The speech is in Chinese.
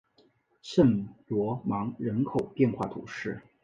圣罗芒人口变化图示